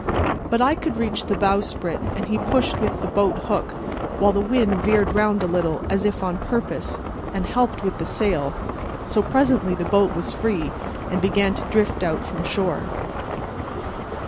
But I could reach the bowsprit, and he pushed with the boat hook, while the wind veered round a little as if on purpose and helped with the sail; so presently the boat was free and began to drift out from shore.